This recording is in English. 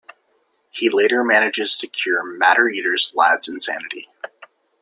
He later manages to cure Matter-Eater Lad's insanity.